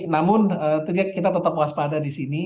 namun kita tetap waspada di sini